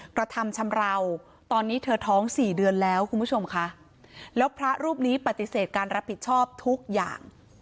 กระทำชำราวตอนนี้เธอท้องสี่เดือนแล้วคุณผู้ชมค่ะแล้วพระรูปนี้ปฏิเสธการรับผิดชอบทุกอย่าง